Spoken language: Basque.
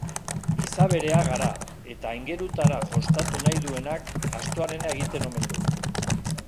Gizabereak gara, eta aingerutara jostatu nahi duenak astoarena egiten omen du.